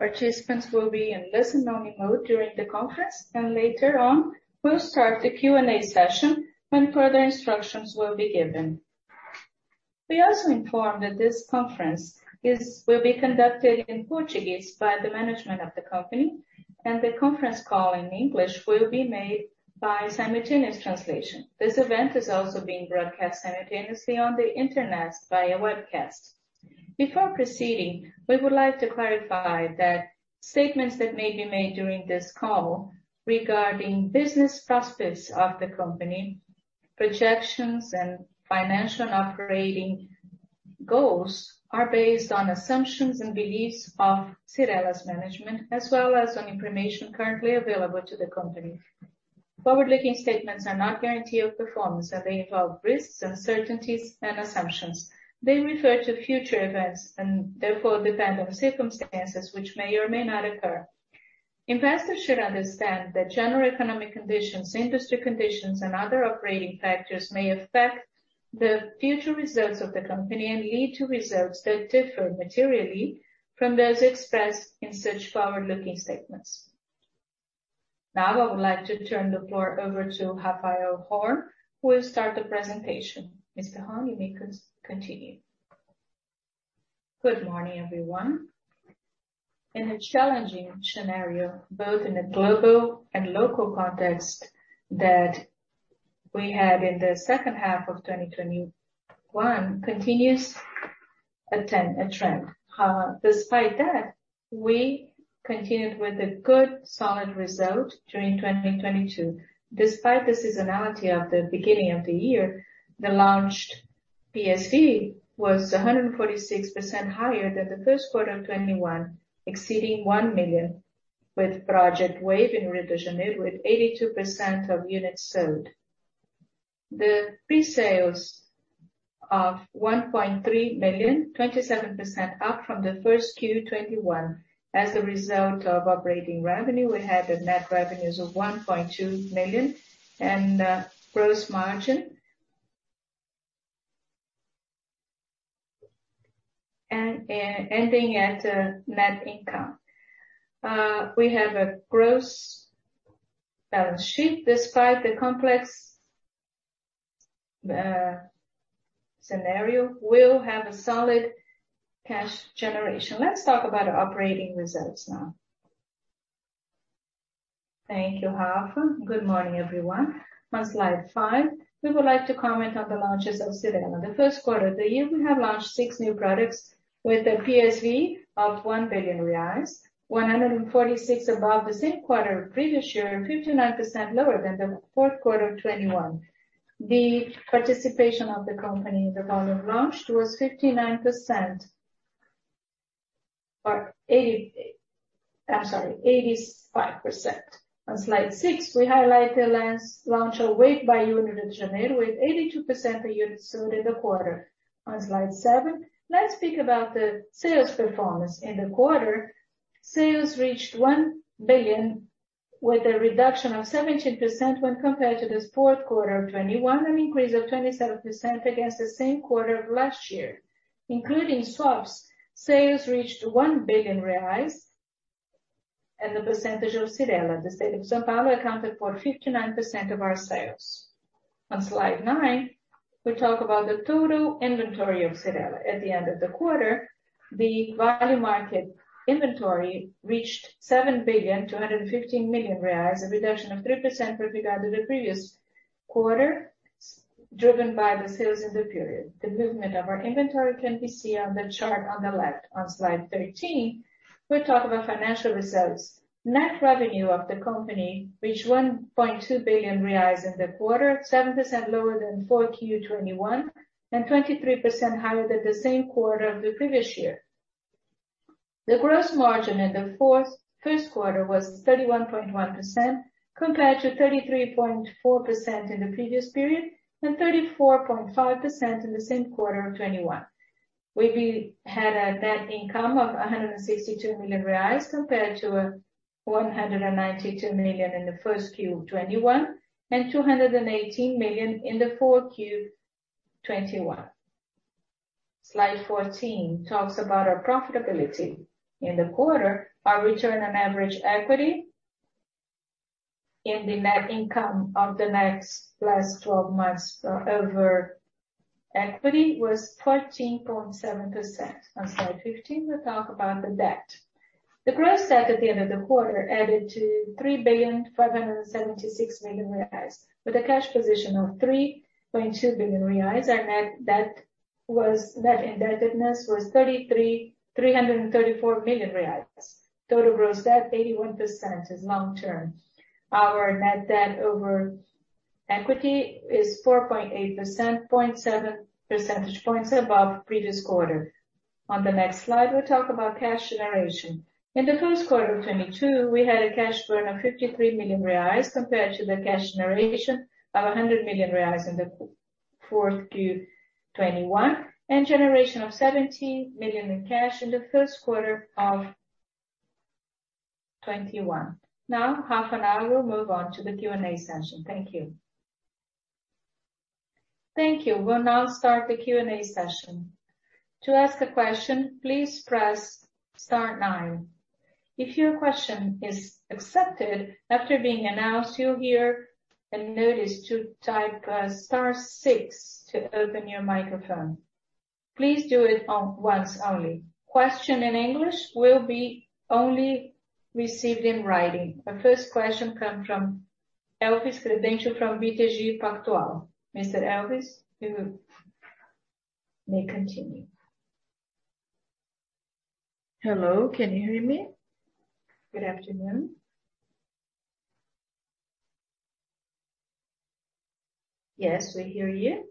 Participants will be in listen-only mode during the conference, and later on we'll start the Q&A session when further instructions will be given. We also inform that this conference will be conducted in Portuguese by the management of the company, and the conference call in English will be made by simultaneous translation. This event is also being broadcast simultaneously on the Internet via webcast. Before proceeding, we would like to clarify that statements that may be made during this call regarding business prospects of the company, projections and financial and operating goals, are based on assumptions and beliefs of Cyrela's management as well as on information currently available to the company. Forward-looking statements are not guarantee of performance, and they involve risks, uncertainties and assumptions. They refer to future events and therefore depend on circumstances which may or may not occur. Investors should understand that general economic conditions, industry conditions, and other operating factors may affect the future results of the company and lead to results that differ materially from those expressed in such forward-looking statements. Now I would like to turn the floor over to Raphael Horn, who will start the presentation. Mr. Horn, you may continue. Good morning, everyone. In a challenging scenario, both in a global and local context that we had in the second half of 2021 continues a trend. Despite that, we continued with a good solid result during 2022. Despite the seasonality of the beginning of the year, the launched PSV was 146% higher than the first quarter of 2021, exceeding 1 million with project Wave in Rio de Janeiro, with 82% of units sold. Pre-sales of 1.3 million, 27% up from the first Q 2021. As a result of operating revenue, we had net revenues of 1.2 million and gross margin ending at net income. We have a strong balance sheet. Despite the complex scenario, we'll have a solid cash generation. Let's talk about operating results now. Thank you, Raphael. Good morning, everyone. On slide five, we would like to comment on the launches of Cyrela. In the first quarter of the year, we have launched six new products with a PSV of 1 billion reais. 146% above the same quarter of previous year, and 59% lower than the fourth quarter of 2021. The participation of the company in the product launched was 59% or 85%. On slide six, we highlight the launch of Wave in Rio de Janeiro, with 82% of units sold in the quarter. On slide seven, let's speak about the sales performance. In the quarter, sales reached 1 billion, with a reduction of 17% when compared to this fourth quarter of 2021. An increase of 27% against the same quarter of last year. Including swaps, sales reached 1 billion reais, and the PSV of Cyrela. The state of São Paulo accounted for 59% of our sales. On slide nine, we talk about the total inventory of Cyrela. At the end of the quarter, the market value inventory reached 7.215 billion. A reduction of 3% with regard to the previous quarter, driven by the sales in the period. The movement of our inventory can be seen on the chart on the left. On slide 13, we talk about financial results. Net revenue of the company reached 1.2 billion reais in the quarter. 7% lower than 4Q 2021, and 23% higher than the same quarter of the previous year. The gross margin in the first quarter was 31.1%, compared to 33.4% in the previous period, and 34.5% in the same quarter of 2021. We've had a net income of 162 million reais compared to 192 million in the first Q 2021, and 218 million in the 4Q 2021. Slide 14 talks about our profitability. In the quarter, our return on average equity in the net income of the last twelve months over equity was 13.7%. On slide 15, we talk about the debt. The gross debt at the end of the quarter added to 3.576 billion. With a cash position of 3.2 billion reais, our net indebtedness was 334 million reais. Total gross debt, 81% is long-term. Our net debt over equity is 4.8%, 0.7 percentage points above previous quarter. On the next slide, we'll talk about cash generation. In the first quarter of 2022, we had a cash burn of 53 million reais compared to the cash generation of 100 million reais in the fourth Q 2021, and generation of 17 million in cash in the first quarter of 2021. Now, Raphael and I will move on to the Q&A session. Thank you. Thank you. We'll now start the Q&A session. To ask a question, please press star nine. If your question is accepted, after being announced, you'll hear a notice to type star six to open your microphone. Please do it once only. Question in English will be only received in writing. The first question come from Elvis Credendio from BTG Pactual. Mr. Elvis, you may continue. Hello, can you hear me? Good afternoon. Yes, we hear you.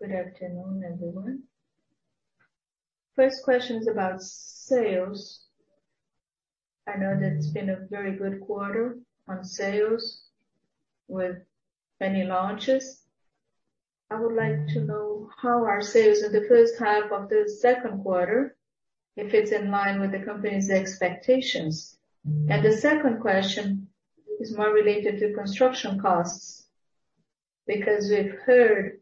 Good afternoon, everyone. First question is about sales. I know that it's been a very good quarter on sales with many launches. I would like to know how are sales in the first half of the second quarter, if it's in line with the company's expectations. The second question is more related to construction costs, because we've heard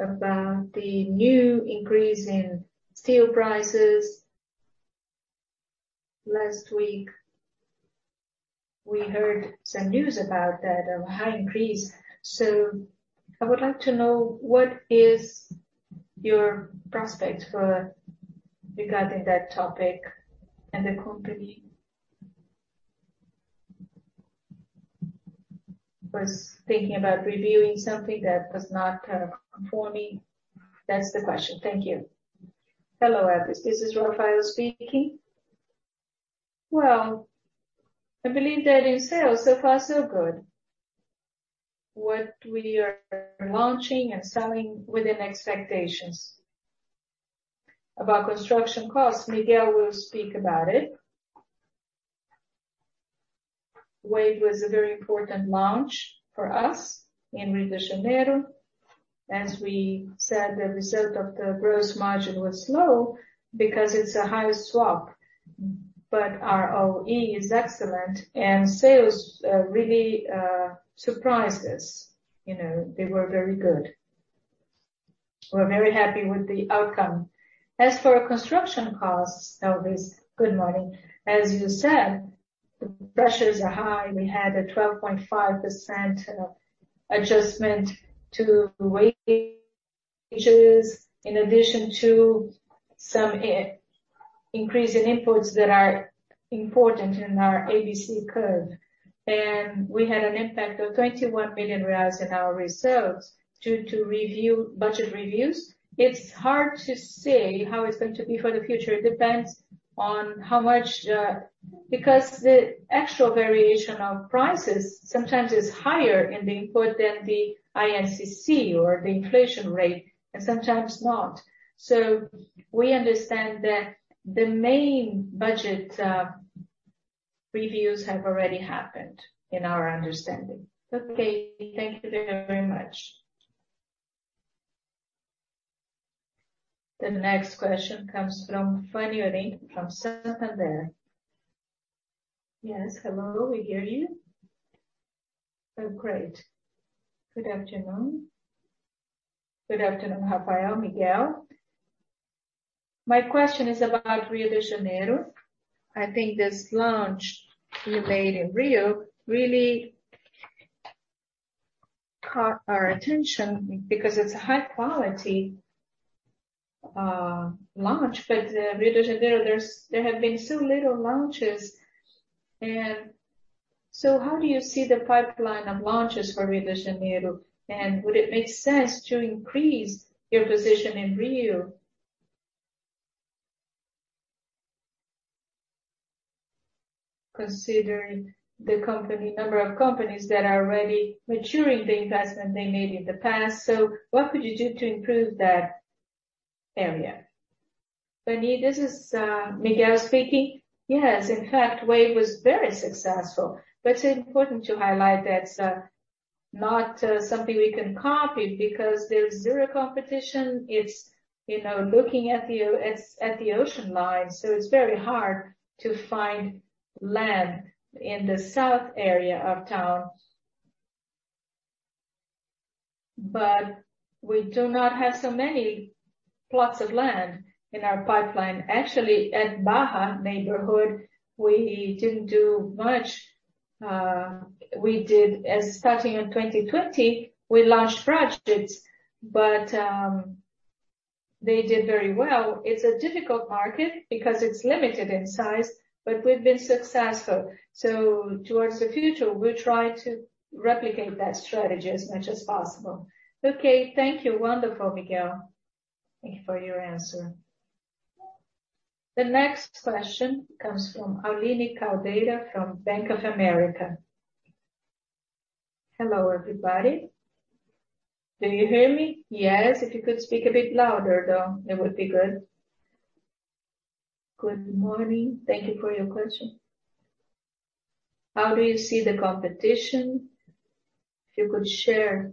about the new increase in steel prices. Last week, we heard some news about that, a high increase. I would like to know what are your prospects regarding that topic and the company. I was thinking about reviewing something that was not conforming. That's the question. Thank you. Hello, Elvis. This is Raphael speaking. Well, I believe that in sales, so far, so good. What we are launching and selling within expectations. About construction costs, Miguel will speak about it. Wave was a very important launch for us in Rio de Janeiro. As we said, the result of the gross margin was low because it's a high spec. But our OE is excellent and sales really surprised us. You know, they were very good. We're very happy with the outcome. As for our construction costs, Elvis, good morning. As you said, the pressures are high. We had a 12.5% adjustment to wages in addition to some increase in inputs that are important in our ABC curve. We had an impact of 21 million reais in our results due to budget reviews. It's hard to say how it's going to be for the future. It depends on how much because the actual variation of prices sometimes is higher in the input than the INCC or the inflation rate, and sometimes not. We understand that the main budget reviews have already happened in our understanding. Okay. Thank you very, very much. The next question comes from Fanny Oreng from Santander. Yes. Hello? We hear you. Oh, great. Good afternoon. Good afternoon, Raphael, Miguel. My question is about Rio de Janeiro. I think this launch you made in Rio really caught our attention because it's a high quality launch. Rio de Janeiro, there have been so little launches. How do you see the pipeline of launches for Rio de Janeiro? Would it make sense to increase your position in Rio considering the number of companies that are already maturing the investment they made in the past? What could you do to improve that area? Fanny, this is Miguel speaking. Yes, in fact, Wave was very successful. It's important to highlight that's not something we can copy because there's zero competition. It's, you know, looking at the ocean line, so it's very hard to find land in the south area of town. We do not have so many plots of land in our pipeline. Actually, at Barra neighborhood, we didn't do much. We did, starting in 2020, we launched projects, but they did very well. It's a difficult market because it's limited in size, but we've been successful. Towards the future, we'll try to replicate that strategy as much as possible. Okay, thank you. Wonderful, Miguel. Thank you for your answer. The next question comes from Aline Caldeira from Bank of America. Hello, everybody. Can you hear me? Yes. If you could speak a bit louder, though, it would be good. Good morning. Thank you for your question. How do you see the competition? If you could share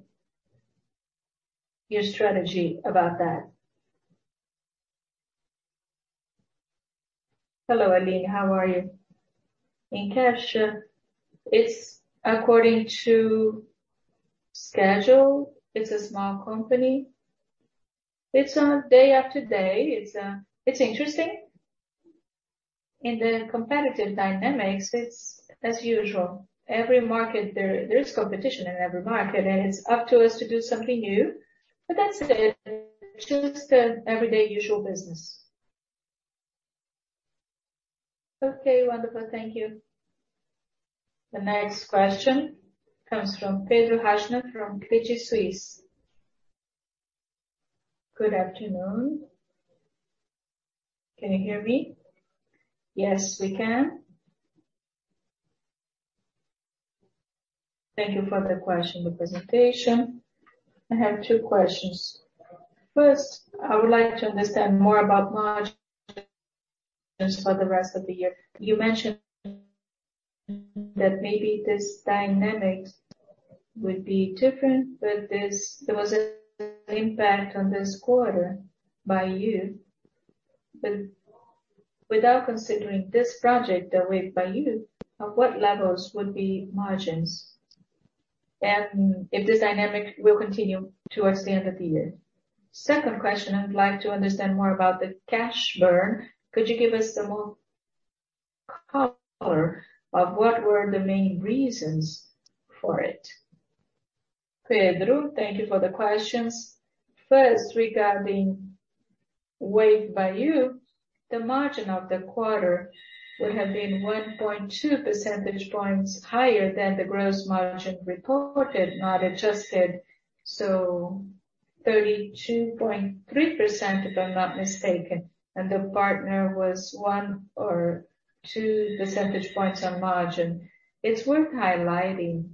your strategy about that. Hello, Aline. How are you? In cash, it's according to schedule. It's a small company. It's on a day after day. It's interesting. In the competitive dynamics, it's as usual. Every market there is competition in every market, and it's up to us to do something new. That's it. Just the everyday usual business. Okay, wonderful. Thank you. The next question comes from Pedro Hajnal from Credit Suisse. Good afternoon. Can you hear me? Yes, we can. Thank you for the question and presentation. I have two questions. First, I would like to understand more about margins for the rest of the year. You mentioned that maybe this dynamic would be different, but there was an impact on this quarter by you. Without considering this project that Wave by YOO, at what levels would be margins? If this dynamic will continue towards the end of the year. Second question, I would like to understand more about the cash burn. Could you give us some more color of what were the main reasons for it? Pedro, thank you for the questions. First, regarding Wave by Yoo, the margin of the quarter would have been 1.2 percentage points higher than the gross margin reported, not adjusted. 32.3%, if I'm not mistaken, and the partner was one or two percentage points on margin. It's worth highlighting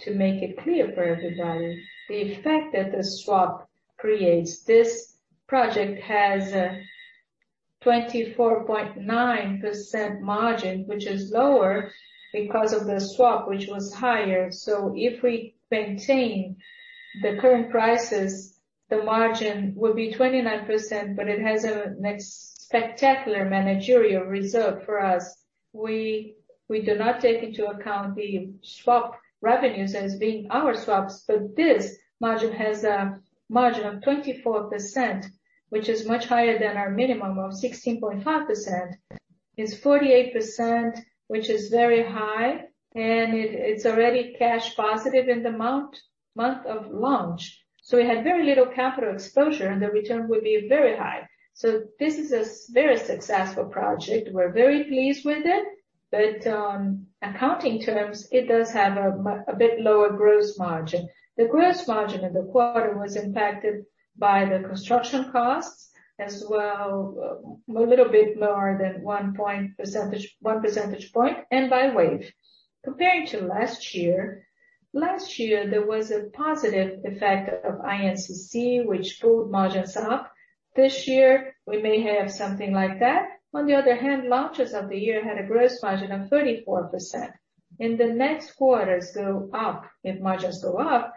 to make it clear for everybody the effect that the swap creates. This project has a 24.9% margin, which is lower because of the swap, which was higher. If we maintain the current prices, the margin would be 29%, but it has a spectacular managerial reserve for us. We do not take into account the swap revenues as being our swaps, but this margin has a margin of 24%, which is much higher than our minimum of 16.5%. It's 48%, which is very high, and it's already cash positive in the month of launch. We had very little capital exposure, and the return would be very high. This is a very successful project. We're very pleased with it. In accounting terms, it does have a bit lower gross margin. The gross margin in the quarter was impacted by the construction costs as well, a little bit more than one percentage point and by Wave. Comparing to last year, there was a positive effect of INCC, which pulled margins up. This year, we may have something like that. On the other hand, launches of the year had a gross margin of 34%. In the next quarters, go up. If margins go up,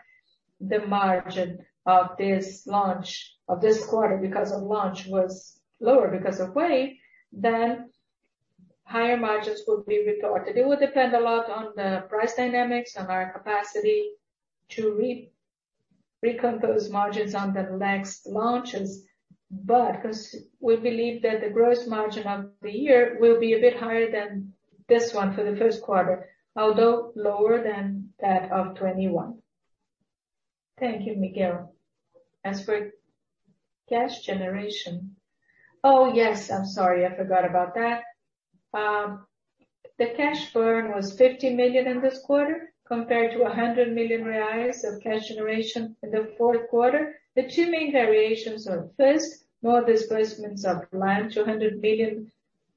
the margin of this quarter was lower because the launch was lower because of Wave, then higher margins will be reported. It would depend a lot on the price dynamics and our capacity to recompose margins on the next launches. 'Cause we believe that the gross margin of the year will be a bit higher than this one for the first quarter, although lower than that of 2021. Thank you, Miguel. As for cash generation. Oh, yes. I'm sorry. I forgot about that. The cash burn was 50 million in this quarter compared to 100 million reais of cash generation in the fourth quarter. The two main variations were, first, more displacements of land, 200 million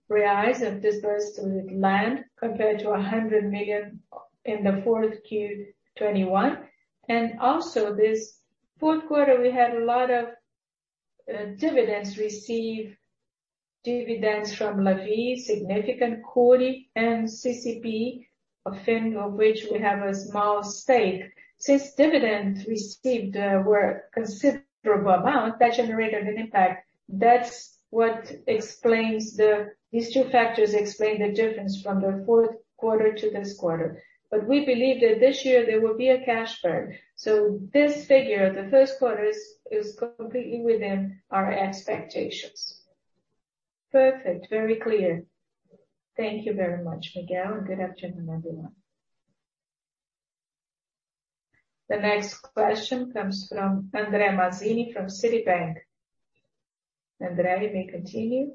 reais of dispersed land compared to 100 million in the fourth Q 2021. Also this fourth quarter, we had a lot of dividends received. Dividends from Lavvi, Cury and CCP, of which we have a small stake. Since dividends received were a considerable amount, that generated an impact. These two factors explain the difference from the fourth quarter to this quarter. We believe that this year there will be a cash burn. This figure, the first quarter is completely within our expectations. Perfect. Very clear. Thank you very much, Miguel, and good afternoon, everyone. The next question comes from André Mazini from Citibank. André, you may continue.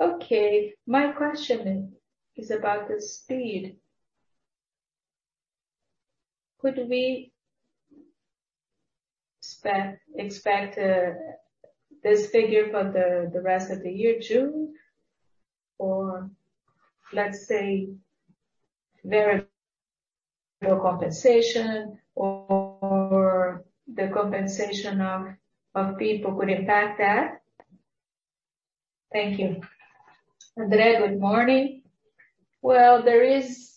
Okay. My question is about the speed. Could we expect this figure for the rest of the year too? Or let's say there's no compensation or the compensation of people could impact that. Thank you. André, good morning. Well, there is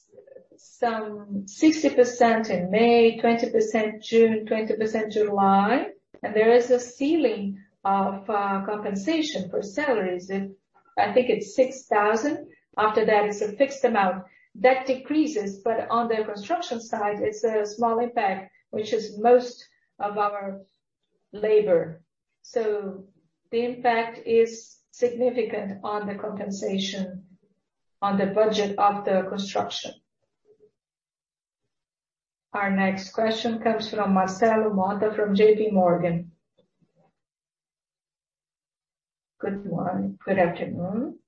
some 60% in May, 20% June, 20% July. There is a ceiling of compensation for salaries. I think it's 6,000. After that, it's a fixed amount. That decreases, but on the construction side, it's a small impact, which is most of our labor. The impact is significant on the compensation on the budget of the construction. Our next question comes from Marcelo Motta from JPMorgan. Good morning. Good afternoon.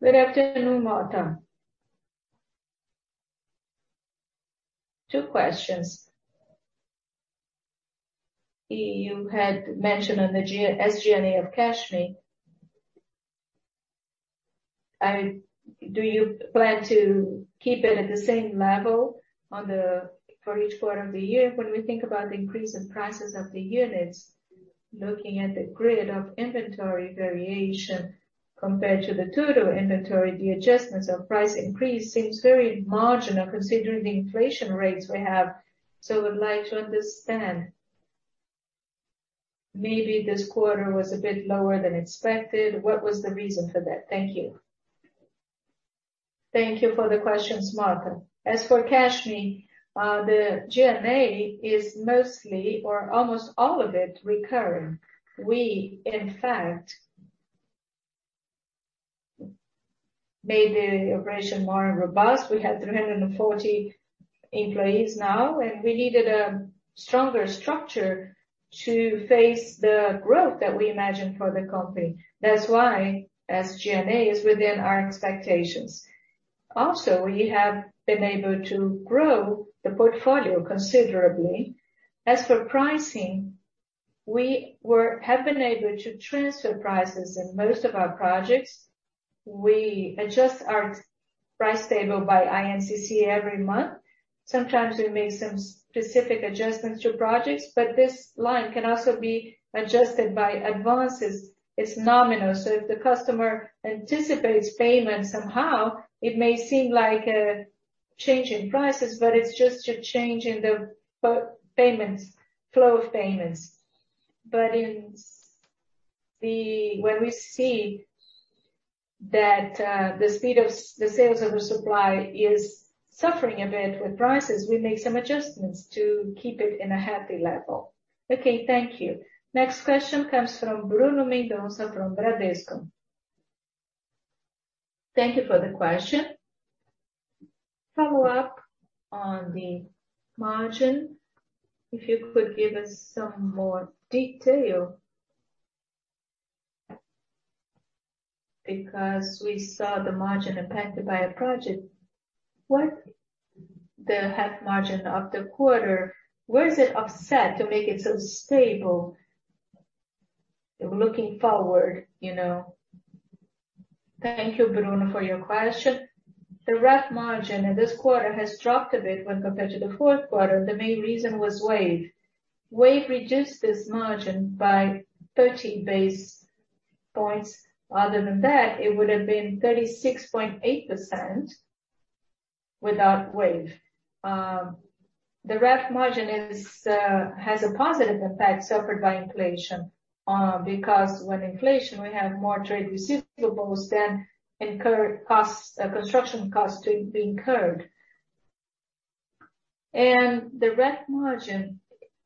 Good afternoon, Motta. Two questions. You had mentioned on the SG&A of CashMe. Do you plan to keep it at the same level for each quarter of the year? When we think about the increase in prices of the units, looking at the grid of inventory variation compared to the total inventory, the adjustments of price increase seems very marginal considering the inflation rates we have. We'd like to understand. Maybe this quarter was a bit lower than expected. What was the reason for that? Thank you. Thank you for the questions, Motta. As for CashMe, the GMA is mostly or almost all of it recurring. We, in fact, made the operation more robust. We have 340 employees now, and we needed a stronger structure to face the growth that we imagine for the company. That's why SG&A is within our expectations. Also, we have been able to grow the portfolio considerably. As for pricing, we have been able to transfer prices in most of our projects. We adjust our price table by INCC every month. Sometimes we make some specific adjustments to projects, but this line can also be adjusted by advances. It's nominal. If the customer anticipates payment somehow, it may seem like a change in prices, but it's just a change in the payments, flow of payments. When we see that, the speed of the sales. Oversupply is suffering a bit with prices, we make some adjustments to keep it in a healthy level. Okay, thank you. Next question comes from Bruno Mendonça from Bradesco. Thank you for the question. Follow up on the margin, if you could give us some more detail. Because we saw the margin impacted by a project. What the half margin of the quarter, where is it offset to make it so stable looking forward, you know? Thank you, Bruno, for your question. The gross margin in this quarter has dropped a bit when compared to the fourth quarter. The main reason was Wave. Wave reduced this margin by 30 basis points. Other than that, it would have been 36.8% without Wave. The gross margin has a positive effect from inflation, because with inflation, we have more trade receivables than incurred costs, construction costs to be incurred. The gross margin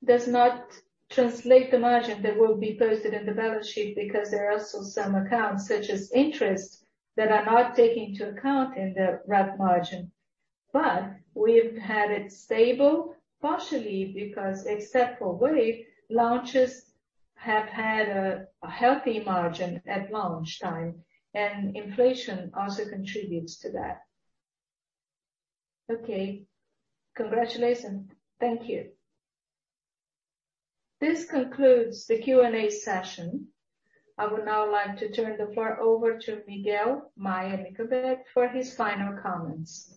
does not translate the margin that will be posted in the balance sheet because there are also some accounts, such as interest, that are not taking into account in the gross margin. We've had it stable, partially because except for Wave, launches have had a healthy margin at launch time, and inflation also contributes to that. Okay. Congratulations. Thank you. This concludes the Q&A session. I would now like to turn the floor over to Miguel Maia Mickelberg for his final comments.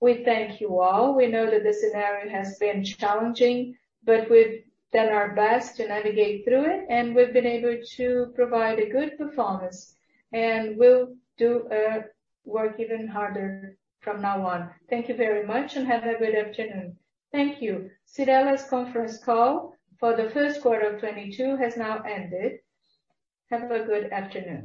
We thank you all. We know that the scenario has been challenging, but we've done our best to navigate through it, and we've been able to provide a good performance, and we'll do work even harder from now on. Thank you very much and have a good afternoon. Thank you. Cyrela's conference call for the first quarter of 2022 has now ended. Have a good afternoon.